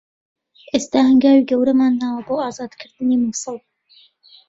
ئێستا هەنگاوی گەورەمان ناوە بۆ ئازادکردنی موسڵ